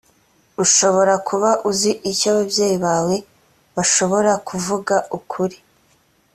ushobora kuba uzi icyo ababyeyi bawe bashobora kuvuga ukuri